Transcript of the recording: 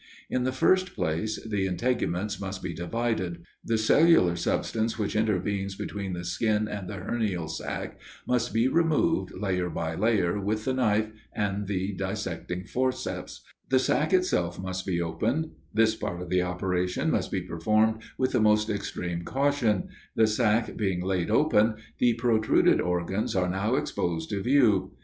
In the first place, the integuments must be divided; the cellular substance which intervenes between the skin and the hernial sac must be removed layer by layer with the knife and the dissecting forceps; the sac itself must be opened: this part of the operation must be performed with the most extreme caution: the sac being laid open, the protruded organs are now exposed to view.